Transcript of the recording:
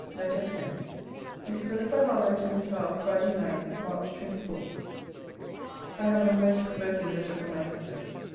LETTER X MISS CLARISSA HARLOWE, TO MISS HOWE FRIDAY NIGHT, MARCH 24. I have a most provoking letter from my sister.